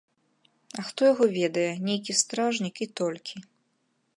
А хто яго ведае, нейкі стражнік, і толькі.